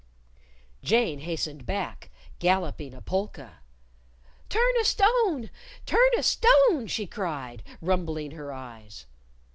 Jane hastened back, galloping a polka. "Turn a stone! Turn a stone!" she cried, rumbling her eyes.